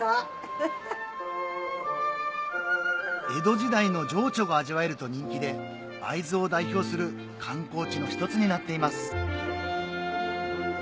江戸時代の情緒が味わえると人気で会津を代表する観光地の一つになっています